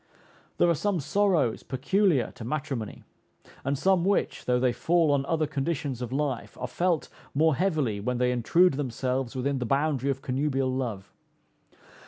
There are some sorrows peculiar to matrimony; and some which, though they fall on other conditions of life, are felt more heavily when they intrude themselves within the boundary of connubial love.